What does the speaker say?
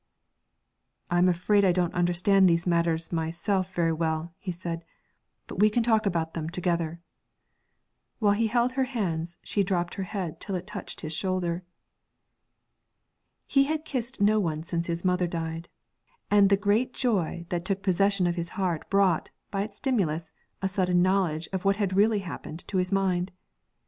'I'm afraid I don't understand these matters myself very well,' he said; 'but we can talk about them together.' While he held her hands, she drooped her head till it touched his shoulder. He had kissed no one since his mother died, and the great joy that took possession of his heart brought, by its stimulus, a sudden knowledge of what had really happened to his mind.